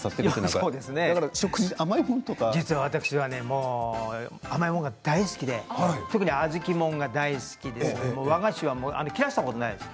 私は実は甘いものが大好きで特に小豆ものが大好きで和菓子は切らしたことがないんです。